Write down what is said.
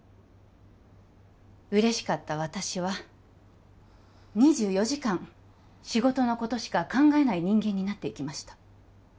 嬉しかった私は２４時間仕事のことしか考えない人間になっていきました